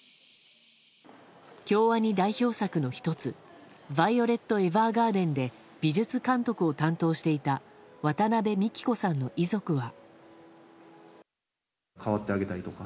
京アニ代表作の１つ「ヴァイオレット・エヴァーガーデン」で美術監督を担当していた渡邊美希子さんの遺族は。